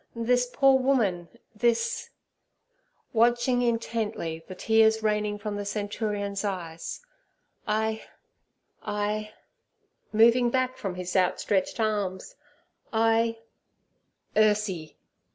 This poor woman—this'—watching intently the tears raining from the centurion's eyes—'I—I'—moving back from his outstretched arms—'I—' 'Ursie!'